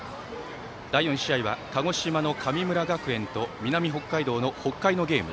第４試合は鹿児島の神村学園と南北海道の北海のゲーム。